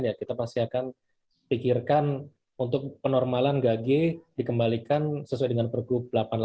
ya kita pasti akan pikirkan untuk penormalan gage dikembalikan sesuai dengan pergub delapan puluh delapan